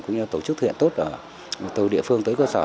cũng như tổ chức thuyện tốt ở tù địa phương tới cơ sở